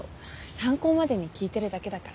参考までに聞いてるだけだから。